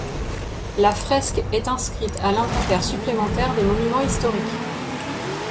La fresque est inscrite à l'inventaire supplémentaire des monuments historiques.